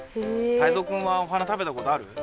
タイゾウくんはお花食べたことある？